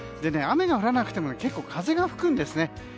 雨が降らなくても結構、風が吹くんですよね。